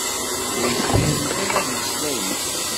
Ur zmirent ara ad mmeslayent.